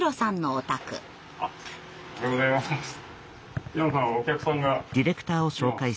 おはようございます。